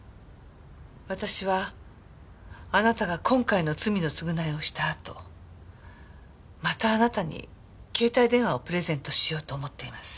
私はあなたが今回の罪の償いをしたあとまたあなたに携帯電話をプレゼントしようと思っています。